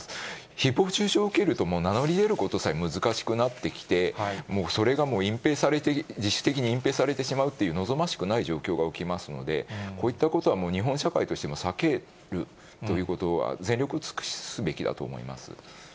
ひぼう中傷を受けると、名乗り出ることさえ難しくなってきて、もうそれがもう隠蔽されて、事実的に隠蔽されてしまうという、望ましくない状況が起きますので、日本社会として避けるということは、全力を尽くすべきだと思いま